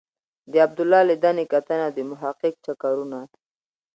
د عبدالله لیدنې کتنې او د محقق چکرونه.